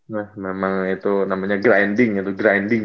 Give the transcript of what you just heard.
nah memang itu namanya grinding itu grinding